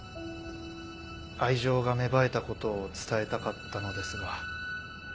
愛情が芽生えたことを伝えたかったのですが。